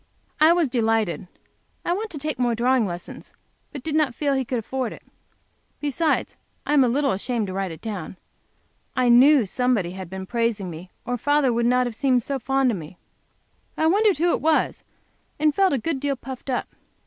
I was delighted. I want to take more drawing lessons, but did not feel sure he could afford it. Besides I am a little ashamed to write it down I knew somebody had been praising me or father would not have seemed so fond of me. I wondered who it was, and felt a good deal puffed up.